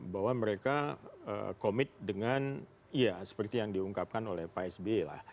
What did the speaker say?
bahwa mereka komit dengan seperti yang diungkapkan oleh psb